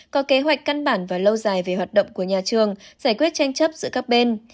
có kế hoạch căn bản và lâu dài về hoạt động của nhà trường giải quyết tranh chấp giữa các bên